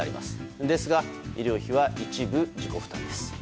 ですが医療費は一部自己負担です。